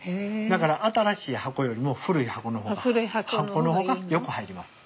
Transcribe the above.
だから新しい箱よりも古い箱の方がよく入ります。